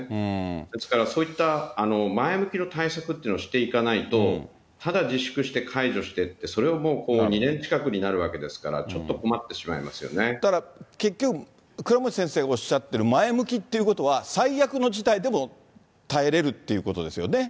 ですから、そういった前向きな対策っていうのをしていかないと、ただ自粛して解除してって、それをもう２年近くになるわけですから、だから結局、倉持先生おっしゃってる前向きっていうことは、最悪の事態でも耐えれるっていうことですよね。